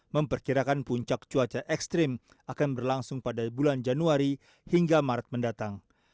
memperkirakan puncak cuaca ekstrim akan berlangsung pada bulan januari hingga maret mendatang